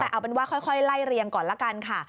แต่เอาเป็นว่าค่อยไล่เรียงก่อนละกันค่ะ